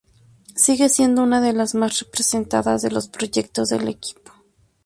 Sigue siendo una de las más representadas de los proyectos del equipo.